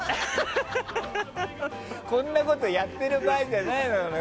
こんなことやってる場合じゃないのよ。